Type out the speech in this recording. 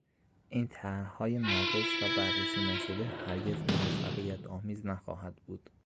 این طرحهای ناقص و بررسی نشده هرگز موفقیتآمیز نخواهد بود